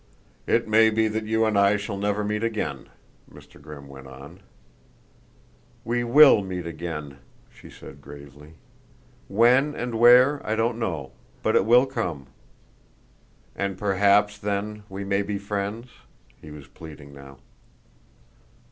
"It may be that you and I shall never meet again," Mr. Grimm went on. "We will meet again," she said gravely. "When and where I don't know, but it will come." "And perhaps then we may be friends?" He was pleading now.